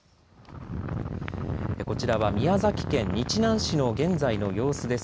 こちらは宮崎県日南市の現在の様子です。